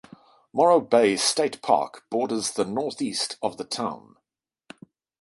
Morro Bay State Park borders the northeast of the town.